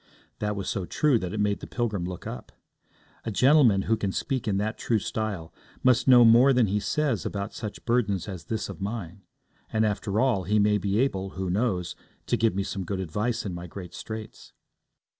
That was so true that it made the pilgrim look up. A gentleman who can speak in that true style must know more than he says about such burdens as this of mine; and, after all, he may be able, who knows, to give me some good advice in my great straits.